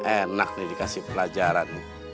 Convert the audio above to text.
enak nih dikasih pelajaran